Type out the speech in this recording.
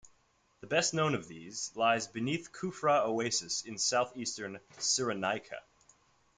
The best known of these lies beneath Kufra Oasis in southeastern Cyrenaica.